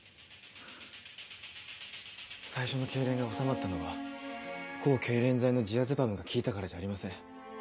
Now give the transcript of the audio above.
最初の痙攣が治まったのは抗けいれん剤のジアゼパムが効いたからじゃありません。